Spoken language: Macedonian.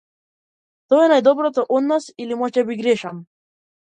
Тоа е најдоброто од нас или можеби грешам.